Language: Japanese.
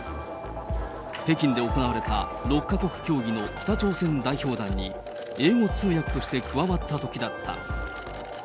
北京で行われた６か国協議の北朝鮮代表団に、英語通訳として加わったときだった。